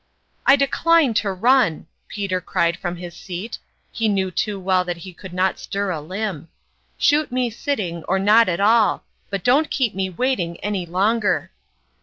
" I decline to run !" Peter cried from his seat ; he knew too well that he could not stir a Ctompcrtmb Inter eat. 179 limb. " Shoot me sitting, or not at all, but don't keep me waiting any longer